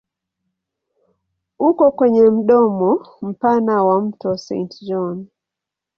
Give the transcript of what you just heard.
Uko kwenye mdomo mpana wa mto Saint John.